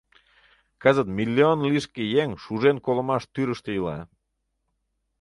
— Кызыт миллион лишке еҥ шужен колымаш тӱрыштӧ ила.